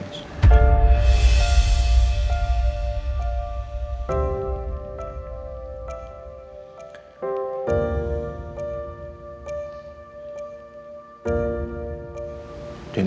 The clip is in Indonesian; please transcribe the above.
tak ada yang dibilang